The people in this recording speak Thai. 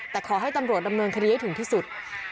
แต่ขอให้ตำรวจดำเนินคดีให้ถึงที่สุด